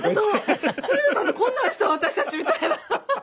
こんなんした私たちみたいな。